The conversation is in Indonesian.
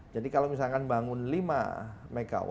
jadi kalau misalkan bangun lima mw